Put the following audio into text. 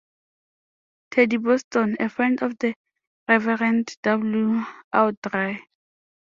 Teddy Boston, a friend of the Reverend W Awdry.